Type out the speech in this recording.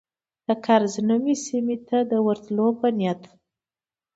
د کرز نومي سیمې ته د ورتلو په نیت.